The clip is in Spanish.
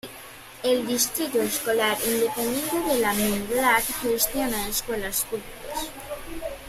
El Distrito Escolar Independiente de Midland gestiona escuelas públicas.